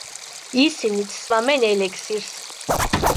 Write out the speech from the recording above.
ისინიც სვამენ ელექსირს.